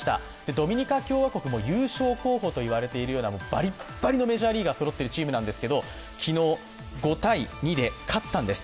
ドミニカ共和国も優勝候補といわれているようなバリッバリのメジャーリーガーがそろってるチームなんですけど昨日、５−２で勝ったんです。